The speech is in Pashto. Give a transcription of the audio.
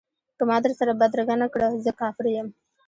که ما در سره بدرګه نه کړ زه کافر یم.